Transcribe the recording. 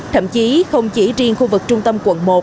thậm chí không chỉ riêng khu vực trung tâm quận một